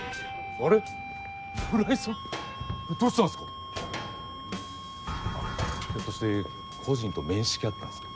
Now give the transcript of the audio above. あっひょっとして故人と面識あったんすか？